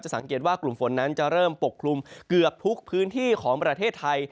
สังเกตว่ากลุ่มฝนนั้นจะเริ่มปกคลุมเกือบทุกพื้นที่ของประเทศไทย